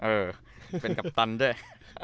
เออเป็นกัปตันด้วย